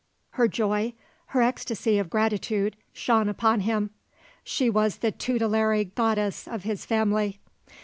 _" Her joy, her ecstasy of gratitude, shone upon him. She was the tutelary goddess of his family.